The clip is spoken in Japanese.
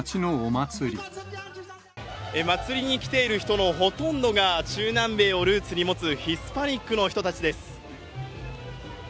祭りに来ている人のほとんどが、中南米をルーツに持つ、ヒスパニックの人たちです。